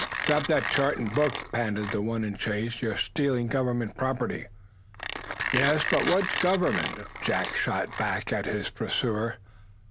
"Drop that chart and book!" panted the one in chase. "You're stealing government property!" "Yes, but which government?" Jack shot back at his pursuer.